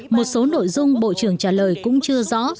một số nội dung bộ trưởng trả lời cũng chưa rõ